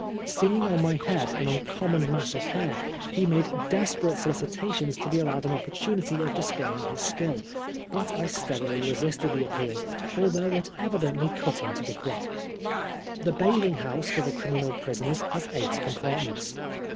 Seeing on my head an uncom mon mass of hair, he made many desperate solicitations to be allowed an opportunity of displaying his skill, but I steadily resisted the appeal, although it evidently cut him to the quick. The bathing house for the criminal prisoners has eight compartments.